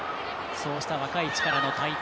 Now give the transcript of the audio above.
そうした若い力の台頭。